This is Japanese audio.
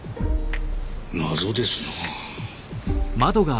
謎ですなぁ。